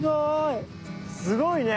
すごい！